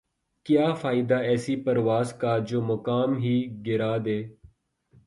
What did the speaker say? کیا فائدہ ایسی پرواز کا جومقام ہی گِرادے